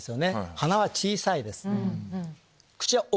鼻は小さいです。